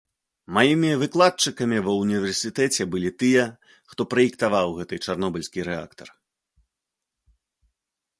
Маімі выкладчыкамі ва ўніверсітэце былі тыя, хто праектаваў гэты чарнобыльскі рэактар.